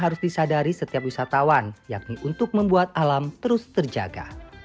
harus disadari setiap wisatawan yakni untuk membuat alam terus terjaga